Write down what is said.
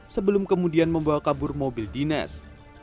sebelum kemudian membawa kabur mobil dinas